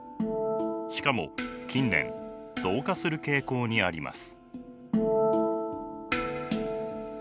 しかも近年増加する傾向にあります。